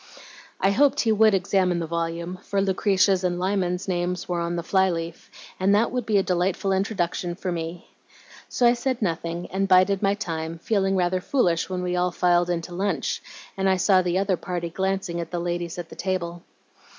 "I hoped he would examine the volume, for Lucretia's and Lyman's names were on the fly leaf, and that would be a delightful introduction for me. So I said nothing and bided my time, feeling rather foolish when we all filed in to lunch, and I saw the other party glancing at the ladies at the table.